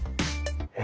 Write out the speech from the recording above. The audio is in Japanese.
え